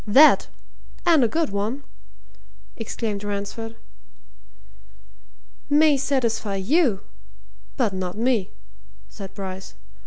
"That! and a good one," exclaimed Ransford. "May satisfy you but not me," said Bryce.